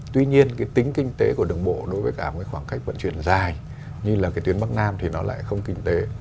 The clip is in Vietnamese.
tuy nhiên tính kinh tế của đường bộ đối với khoảng cách vận chuyển dài như tuyến bắc nam thì nó lại không kinh tế